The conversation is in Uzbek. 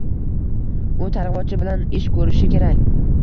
U targ‘ibotchi bilan ish ko‘rishi kerak.